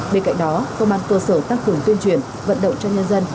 bên cạnh đó công an cơ sở tăng cường tuyên truyền vận động cho nhân dân